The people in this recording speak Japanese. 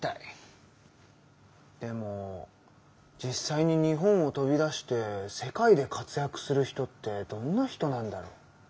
でも実際に日本を飛び出して世界で活躍する人ってどんな人なんだろう？